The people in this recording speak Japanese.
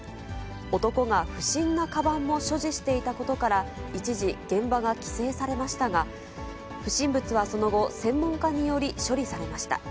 男が不審なかばんも所持していたことから、一時、現場が規制されましたが、不審物はその後、専門家により、処理されました。